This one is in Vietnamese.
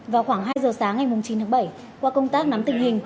vào khoảng hai giờ sáng ngày chín tháng bảy qua công tác nắm tình hình